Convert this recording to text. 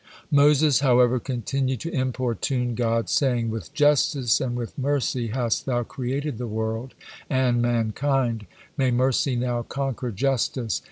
Moses, however, continued to importune God, saying: "With justice and with mercy hast Thou created the world and mankind, may mercy now conquer justice.